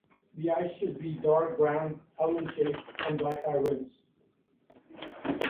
The eyes should be dark brown, almond-shaped with black eye rims.